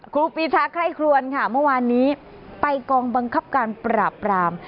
ครูปีชาไคร่ครวนค่ะเมื่อวานนี้ไปกองบังคับการปราบราม